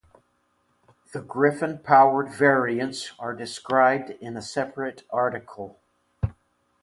The Griffon powered variants are described in a separate article.